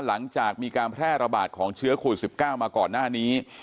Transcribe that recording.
หลังจากมีการแพร่ระบาดของเชื้อโควิด๑๙มาก่อนหน้านี้